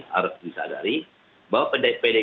harus disadari bahwa pd